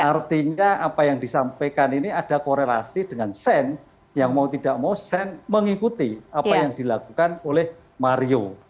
artinya apa yang disampaikan ini ada korelasi dengan sen yang mau tidak mau shane mengikuti apa yang dilakukan oleh mario